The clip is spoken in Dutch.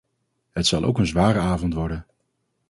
Het zal ook een zware avond worden.